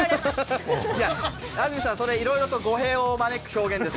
安住さん、いろいろと語弊を招く表現です。